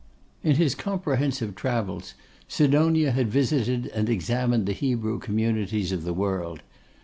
In his comprehensive travels, Sidonia had visited and examined the Hebrew communities of the world.